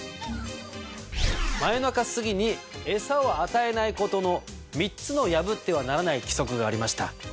真夜中すぎに餌を与えないことの３つの破ってはならない規則がありました。